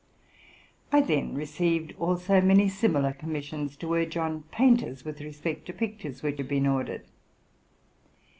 I then received also many similar commissions to urge on painters with respect to pictures which had been ordered.